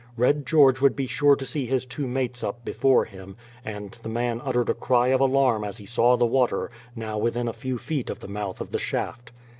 Red George would be sure to see his two mates up before him, and the man uttered a cry of alarm as he saw the water, now within a few feet of the mouth of the shaft.